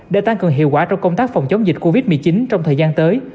để tăng cường hiệu quả trong công tác phòng chống dịch covid một mươi chín trong thời gian tới